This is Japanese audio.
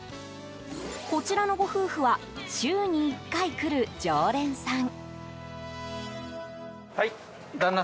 こちらのご夫婦は週に１回来る常連さん。